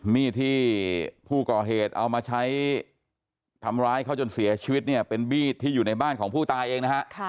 มีดที่ผู้ก่อเหตุเอามาใช้ทำร้ายเขาจนเสียชีวิตเนี่ยเป็นมีดที่อยู่ในบ้านของผู้ตายเองนะฮะ